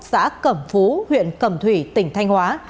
xã cẩm phú huyện cẩm thủy tỉnh thanh hóa